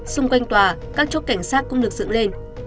xung quanh tòa các chốt cảnh sát cũng được dựng lên